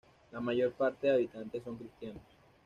La mayor parte de habitantes son cristianos.